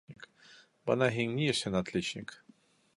Бына һин ни өсөн отличник.